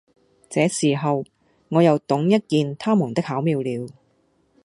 這時候，我又懂得一件他們的巧妙了。